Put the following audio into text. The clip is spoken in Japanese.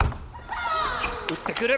打ってくる。